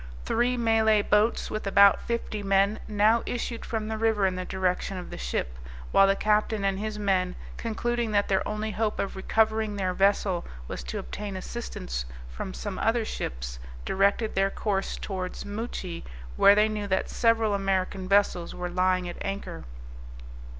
Three Malay boats, with about fifty men, now issued from the river in the direction of the ship, while the captain and his men, concluding that their only hope of recovering their vessel was to obtain assistance from some other ships, directed their course towards Muchie, where they knew that several American vessels were lying at anchor.